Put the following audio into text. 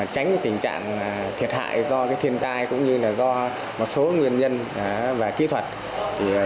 tránh tình trạng thiệt hại do thiên tai cũng như là do một số nguyên nhân và kỹ thuật